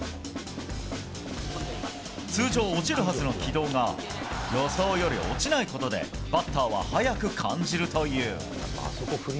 通常、落ちるはずの軌道が予想より落ちないことでバッターは速く感じるという。